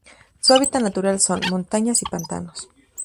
Su hábitat natural son: montañas, y pantanos.